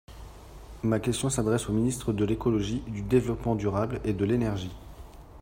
Ma question s’adresse au Ministre de l’écologie, du développement durable et de l’énergie.